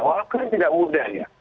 walaupun tidak mudah ya